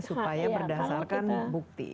supaya berdasarkan bukti